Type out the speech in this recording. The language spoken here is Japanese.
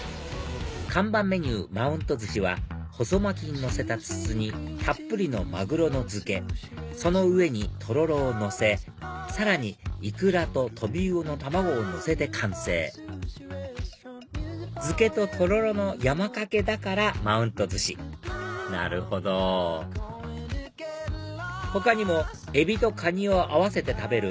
看板メニューマウント寿司は細巻きにのせた筒にたっぷりのマグロの漬けその上にとろろをのせさらにイクラとトビウオの卵をのせて完成漬けととろろの山かけだからマウント寿司なるほど他にもエビとカニを合わせて食べる